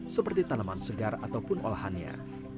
seperti tanaman segar ataupun olahannya